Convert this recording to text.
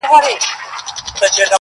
د مړونو تر مابین سلا هنر وي -